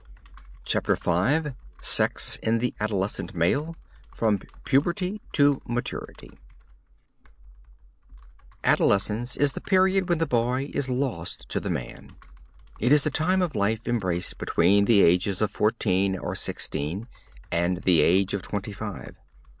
CHAPTER V SEX IN THE ADOLESCENT MALE (FROM PUBERTY TO MATURITY) Adolescence is the period when the boy is lost in the man. It is the time of life embraced between the ages of fourteen or sixteen and the age of twenty five.